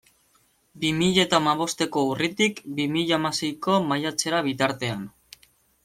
Bi mila eta hamabosteko urritik bi mila hamaseiko maiatzera bitartean.